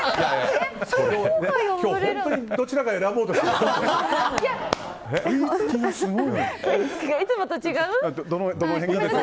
今日、本当にどちらか選ぼうとしてませんか？